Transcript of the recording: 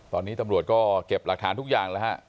ตอนนี้ตำรวจก็เก็บหลักฐานทุกอย่างแล้วฮะ